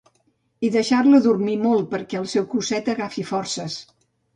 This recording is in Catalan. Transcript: I deixar-la dormir molt perquè el seu cosset agafi forces.